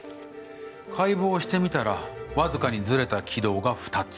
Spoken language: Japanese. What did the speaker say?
解剖してみたらわずかにずれた軌道が２つ。